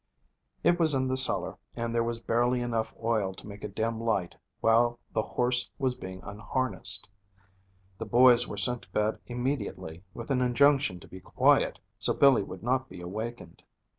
It was in the cellar, and there was barely enough oil to make a dim light while the horse was being unharnessed. The boys were sent to bed immediately, with an injunction to be quiet so Billy would not be awakened.